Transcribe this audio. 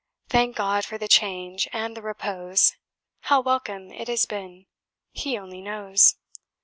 Thank God for the change and the repose! How welcome it has been He only knows!